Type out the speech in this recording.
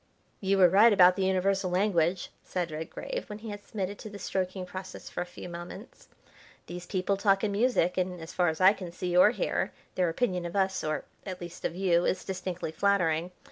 "You were right about the universal language," said Redgrave, when he had submitted to the stroking process for a few moments. "These people talk in music, and, as far as I can see or hear, their opinion of us, or, at least, of you, is distinctly flattering.